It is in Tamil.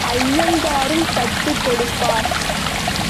ஐயங்காரும் தத்துக் கொடுப்பார்.